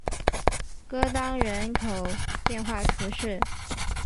戈当人口变化图示